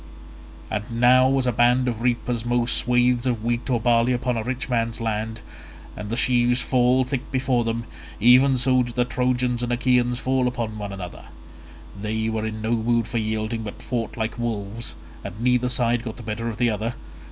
And now as a band of reapers mow swathes of wheat or barley upon a rich man's land, and the sheaves fall thick before them, even so did the Trojans and Achaeans fall upon one another; they were in no mood for yielding but fought like wolves, and neither side got the better of the other.